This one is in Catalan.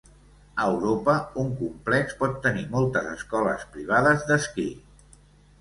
A Europa, un complex pot tenir moltes escoles privades d'esquí.